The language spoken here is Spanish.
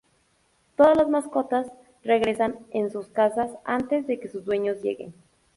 Todos las mascotas regresan en sus casas antes de que sus dueños lleguen.